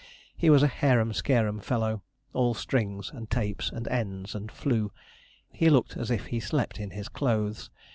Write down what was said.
He was a harum scarum fellow, all strings, and tapes, and ends, and flue. He looked as if he slept in his clothes.